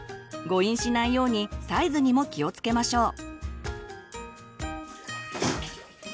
誤飲しないようにサイズにも気をつけましょう。